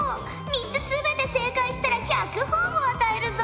３つ全て正解したら１００ほぉを与えるぞ！